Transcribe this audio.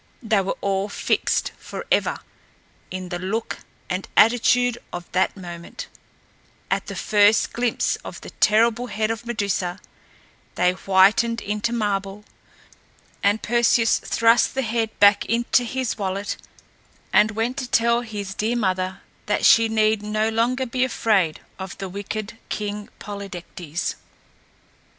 They were all fixed forever in the look and attitude of that moment! At the first glimpse of the terrible head of Medusa, they whitened into marble! And Perseus thrust the head back into his wallet and went to tell his dear mother that she need no longer be afraid of the wicked King Polydectes.